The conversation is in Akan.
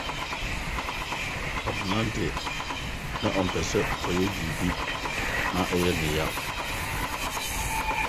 Kwabena de, na ɔmpɛ sɛ ɔyɛ biribi ma ɛyɛ no yaw.